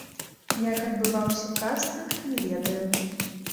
Як адбываўся кастынг, не ведаю.